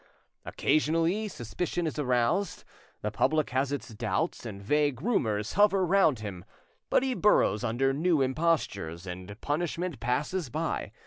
Occasionally suspicion is aroused, the public has its doubts, and vague rumours hover round him; but he burrows under new impostures, and punishment passes by.